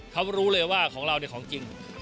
เขารู้เลยว่าของเราเนี่ยของจริง